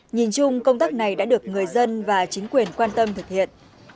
nhìn chung công tác này đã được người dân và chính quyền quan tâm thực hiện